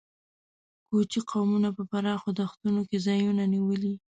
کوچي قومونو په پراخو دښتونو کې ځایونه نیولي.